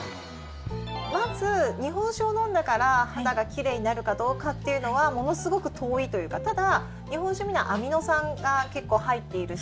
まず、日本酒を飲んだから肌が奇麗になるかどうかっていうのはものすごく遠いというかただ、日本酒にはアミノ酸が結構入っているし